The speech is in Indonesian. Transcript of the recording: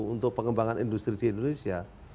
untuk pengembangan industri di indonesia